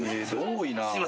多いな。